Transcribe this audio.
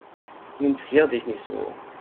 Nun zier dich nicht so.